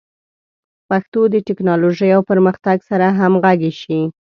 پښتو د ټکنالوژۍ او پرمختګ سره همغږي شي.